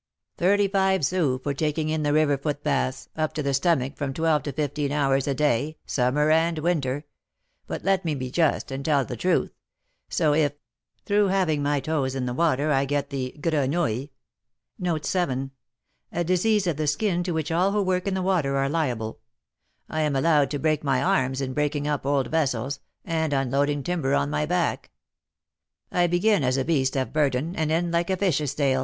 "Thirty five sous for taking in the river foot baths, up to the stomach from twelve to fifteen hours a day, summer and winter; but let me be just, and tell the truth; so if, through having my toes in the water, I get the grenouille, I am allowed to break my arms in breaking up old vessels, and unloading timber on my back. I begin as a beast of burden, and end like a fish's tail.